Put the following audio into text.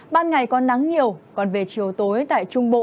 ban ngày có nắng nhiều còn về chiều tối tại trung bộ